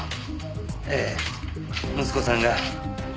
ええ息子さんが。